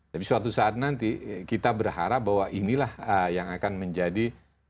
tapi suatu saat nanti kita berharap bahwa inilah yang akan menjadi